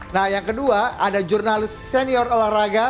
nah yang kedua ada jurnalis senior olahraga